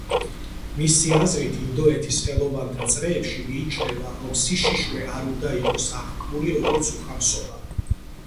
მისი აზრით, ინდოეთის ხელოვანთა წრეებში მიიჩნევა, რომ სიშიშვლე არ უნდა იყოს აღქმული როგორც უხამსობა.